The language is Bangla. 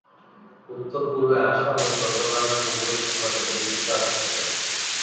উত্তর-পূর্বে আসাম এবং চট্টগ্রামে মুগল সাম্রাজ্যের বিস্তার ঘটে।